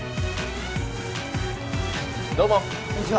どうもこんにちは